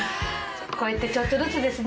こうやってちょっとずつですね。